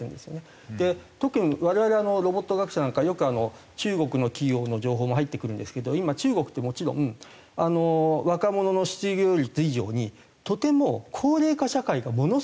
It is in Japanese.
特に我々ロボット学者なんかはよく中国の企業の情報も入ってくるんですけど今中国ってもちろん若者の失業率以上にとても高齢化社会がものすごい勢いで進んでるらしい。